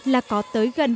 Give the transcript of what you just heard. là có tới gần